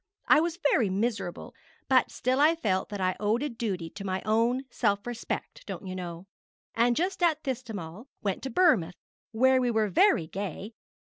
I was very miserable, but still I felt that I owed a duty to my own self respect, don't you know; and just at this time we all went to Bournemouth, where we were very gay.